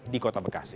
di kota bekasi